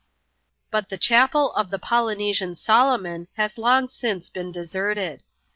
But the chapel of the Polynesian Solomon has long since been deserted.